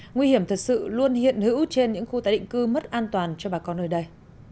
nguy hiểm thật sự luôn hiện hữu trên những khu tái định cư mất an toàn cho bà con nơi đây